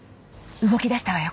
動き出したわよ